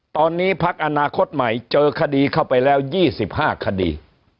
ตอนนี้พักอนาคตใหม่เจอคดีเข้าไปแล้ว๒๕คดี